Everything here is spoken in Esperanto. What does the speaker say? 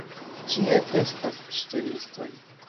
Ĉie estas ŝtelistoj.